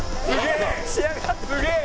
すげえ！